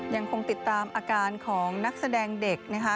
ยังคงติดตามอาการของนักแสดงเด็กนะคะ